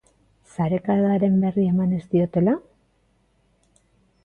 Sarekadaren berri eman ez diotela?